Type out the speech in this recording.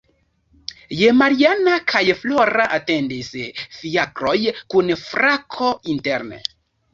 Je Mariana kaj Flora atendis ﬁakroj kun frako interne.